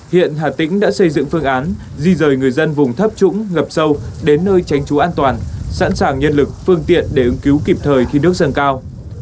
hiện hà tĩnh đã xây dựng phương án di rời người dân vùng thấp trũng ngập sâu đến nơi tránh trú an toàn sẵn sàng nhân lực phương tiện để ứng cứu kịp thời khi nước dâng cao